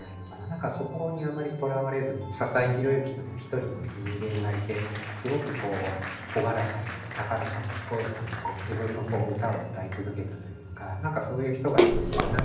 そこにあんまりとらわれずに笹井宏之という一人の人間がいてすごく朗らかに高らかに健やかに自分の歌を歌い続けたというか何かそういう人が一人いたなっていうこと。